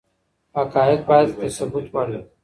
حقايق بايد د ثبوت وړ وي.